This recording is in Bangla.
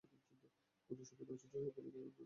মধুসূদন আশ্চর্য হয়ে বললে, এর মানে কী হল?